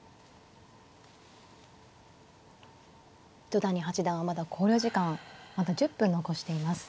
糸谷八段はまだ考慮時間まだ１０分残しています。